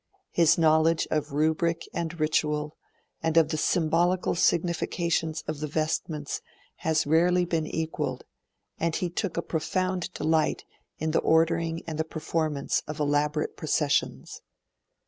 His knowledge of rubric and ritual, and of the symbolical significations of vestments, has rarely been equalled, and he took a profound delight in the ordering and the performance of elaborate processions.